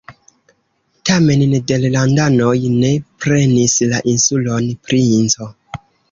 Tamen nederlandanoj ne prenis la insulon Princo.